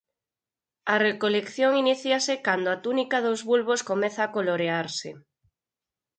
A recolección iníciase cando a túnica dos bulbos comeza a colorearse.